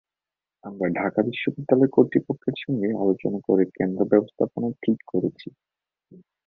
আমরা ঢাকা বিশ্ববিদ্যালয় কর্তৃপক্ষের সঙ্গে আলোচনা করে কেন্দ্র ব্যবস্থাপনা ঠিক করেছি।